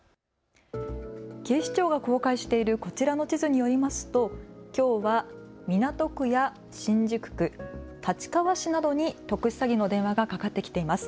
警視庁が公開しているこちらの地図によりますときょうは港区や新宿区、立川市などに特殊詐欺の電話がかかってきています。